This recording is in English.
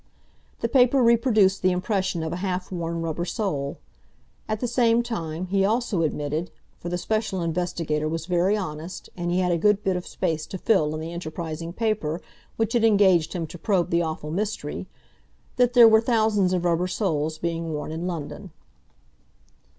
The paper reproduced the impression of a half worn rubber sole. At the same time, he also admitted—for the Special Investigator was very honest, and he had a good bit of space to fill in the enterprising paper which had engaged him to probe the awful mystery—that there were thousands of rubber soles being worn in London.